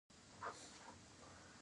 د پلچرخي صنعتي پارک برق لري؟